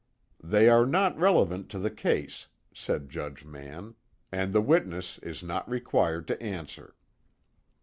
"They are not relevant to the case," said Judge Mann, "and the witness is not required to answer."